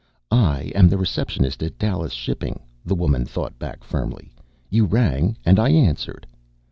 "I am the receptionist at Dallas Shipping," the woman thought back firmly. "You rang and I answered."